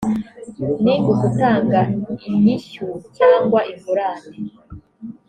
ni ugutanga inyishyu cyangwa ingurane